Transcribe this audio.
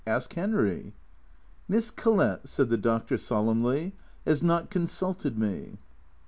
" Ask Henry." " Miss Collett," said the Doctor solemnly, " has not consulted me."